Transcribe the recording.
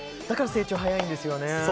だから成長が早いんですよね。